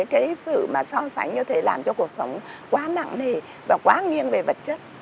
cái sự mà so sánh như thế làm cho cuộc sống quá nặng nề và quá nghiêm về vật chất